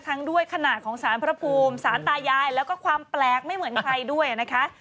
ด้วยขนาดของสารพระภูมิสารตายายแล้วก็ความแปลกไม่เหมือนใครด้วยนะคะ